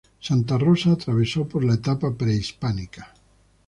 Santa Rosa atravesó por la etapa prehispánica.